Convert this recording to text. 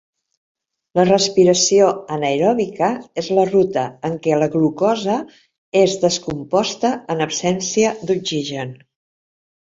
La respiració anaeròbica és la ruta en què la glucosa és descomposta en absència d'oxigen.